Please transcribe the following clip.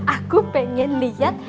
aku pengen lihat